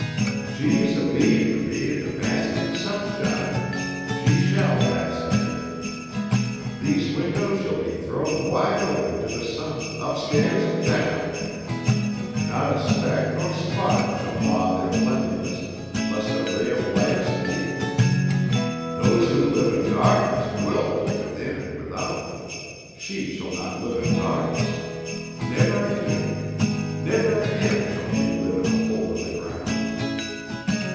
She is a bein' created to bask in the sunshine. She shall bask in it. These windows shall be thrown wide open to the sun, upstaiahs and down. Not a speck nor spot shall mah their cleanliness, lest a ray of light escape. Those who live in da'kness wilt within and without. She shall not live in da'kness. Nevah again. Nevah again shall she live in a hole in the ground."